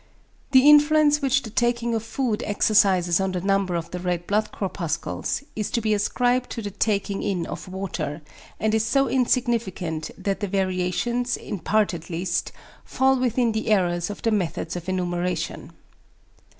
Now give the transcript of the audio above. The influence which the taking of food exercises on the number of the red blood corpuscles is to be ascribed to the taking in of water, and is so insignificant, that the variations, in part at least, fall within the errors of the methods of enumeration.